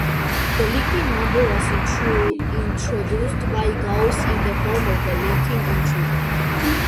The linking number was introduced by Gauss in the form of the linking integral.